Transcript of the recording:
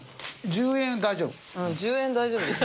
１０円大丈夫です。